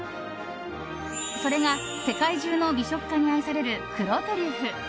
それが世界中の美食家に愛される黒トリュフ。